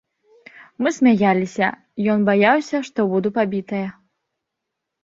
Мы смяяліся, ён баяўся, што буду пабітая.